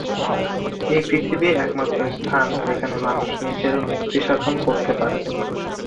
এই পৃথিবীই একমাত্র স্থান, যেখানে মানুষ নিজের মুক্তিসাধন করতে পারে।